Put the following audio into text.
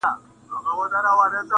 د انصاف په تله خپل او پردي واړه .